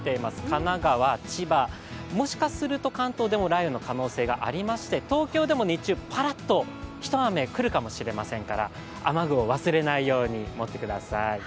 神奈川、千葉、もしかすると関東でも雷雨の可能性がありまして東京でも日中、ぱらっと一雨来るかもしれませんから雨具を忘れないように持ってください。